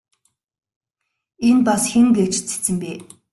Энэ бас хэн гээч цэцэн бэ?